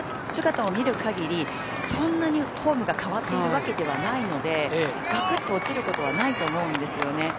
姿を見る限りそんなにフォームが変わっているわけではないのでガクッと落ちるということはないと思うんですよね。